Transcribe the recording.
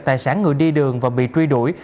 tài sản người đi đường và bị truy đuổi